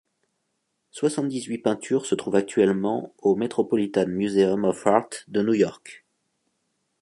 Soixante-dix-huit peintures se trouvent actuellement au Metropolitan Museum of Art de New York.